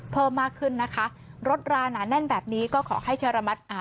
เพิ่มมากขึ้นนะคะรถราหนาแน่นแบบนี้ก็ขอให้เชอรมัติอ่า